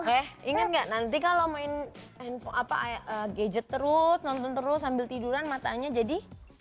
oke ingat nggak nanti kalau main gadget terus nonton terus sambil tiduran matanya jadi